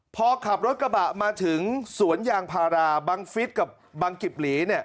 พอขับรถกระบะมาถึงสวนยางพาราบังฟิศกับบังกิบหลี